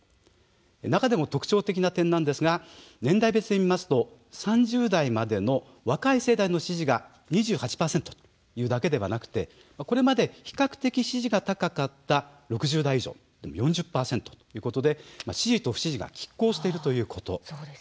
中でも特徴的な点なんですが年代別で見ますと３０代までの若い世代の支持が２８％というだけではなくこれまで比較的、支持の高かった６０代以上でも４０％ということで支持と不支持がきっ抗しているということ。